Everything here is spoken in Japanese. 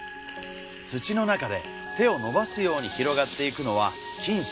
土の中で手を伸ばすように広がっていくのは菌糸。